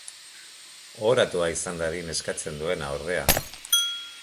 Ohoratua izan dadin eskatzen duena, ordea.